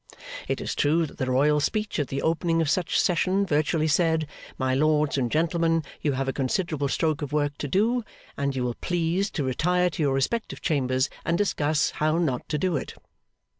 It is true that the royal speech at the opening of such session virtually said, My lords and gentlemen, you have a considerable stroke of work to do, and you will please to retire to your respective chambers, and discuss, How not to do it.